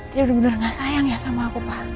dia udah bener bener gak sayang ya sama aku pak